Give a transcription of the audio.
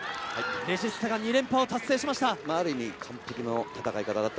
レジスタが２連覇を達成しました。